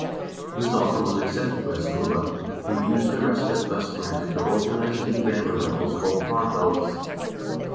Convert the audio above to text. This offer was accepted by Skule, who used the respite thus granted to organize a new band of rebels called "Varbelgs."